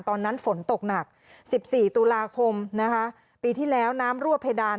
ตอนนั้นฝนตกหนัก๑๔ตุลาคมนะคะปีที่แล้วน้ำรั่วเพดาน